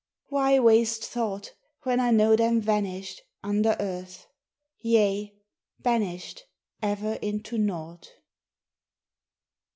... Why waste thought, When I know them vanished Under earth; yea, banished Ever into nought.